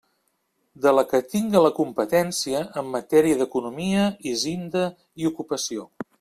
De la que tinga la competència en matèria d'economia, hisenda i ocupació.